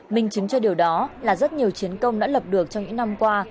minh chứng cho điều đó là rất nhiều chiến công đã lập được trong những năm qua